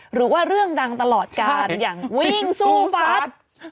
หรือว่าเรื่องดังตลอดการอย่างวิ่งสู้ฟัด